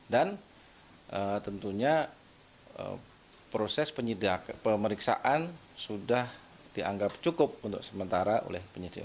dan tentunya proses pemeriksaan sudah dianggap cukup untuk sementara oleh penyidik